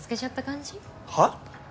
はっ？